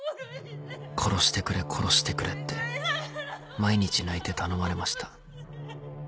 殺してくれ殺してくれって毎日泣いて頼まれました。